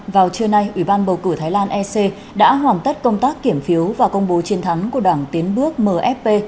vào trưa nay ủy ban bầu cử thái lan ec đã hoàn tất công tác kiểm phiếu và công bố chiến thắng của đảng tiến bước mfp